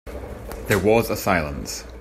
There was a silence.